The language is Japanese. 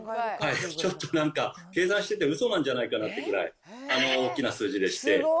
ちょっとなんか、計算しててうそなんじゃないかなってくらい、大きな数字でして。